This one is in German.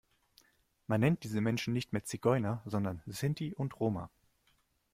Man nennt diese Menschen nicht mehr Zigeuner, sondern Sinti und Roma.